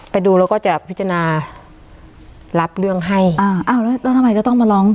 ไปดูแล้วก็จะพิจารณารับเรื่องให้อ่าอ้าวแล้วแล้วทำไมจะต้องมาร้อง